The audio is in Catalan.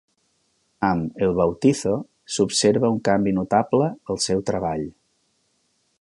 Amb "El Bautizo" s'observa un canvi notable al seu treball.